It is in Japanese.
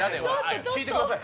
聞いてください。